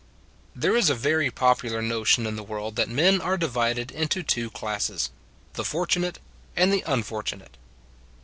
There is a very popular notion in the world that men are divided into two classes the fortunate and the unfortunate.